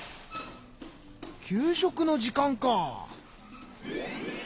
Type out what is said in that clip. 給食の時間か。